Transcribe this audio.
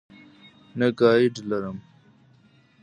نه ګائیډ لرم.